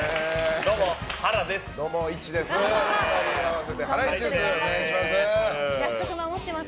どうも、イチです。